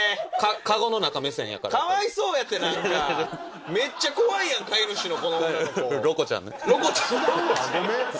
カゴの中目線やからかわいそうやって何かめっちゃ怖いやん飼い主のこの女の子ロコちゃん